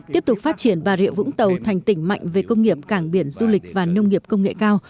tiếp tục phát triển bà rịa vũng tàu thành tỉnh mạnh về công nghiệp cảng biển du lịch và nông nghiệp công nghệ cao